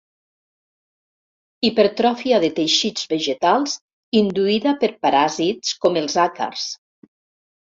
Hipertròfia de teixits vegetals induïda per paràsits com els àcars.